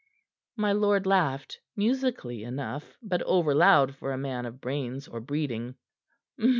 My lord laughed, musically enough, but overloud for a man of brains or breeding.